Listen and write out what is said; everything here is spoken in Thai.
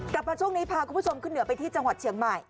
กลับมาช่วงนี้พาคุณผู้ชมขึ้นเหนือไปที่จังหวัดเชียงใหม่